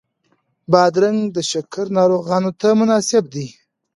بادرنګ د شکر ناروغانو ته مناسب دی.